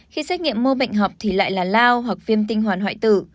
khi xét nghiệm mô bệnh học thì lại là lao hoặc viêm tinh hoàn hoại tử